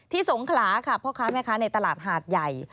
สงขลาค่ะพ่อค้าแม่ค้าในตลาดหาดใหญ่